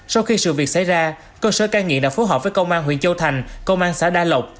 sau khi sự việc xảy ra cơ sở cai nghiện đã phối hợp với công an huyện châu thành công an xã đa lộc